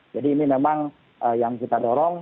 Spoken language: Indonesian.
jadi ini memang yang kita dorong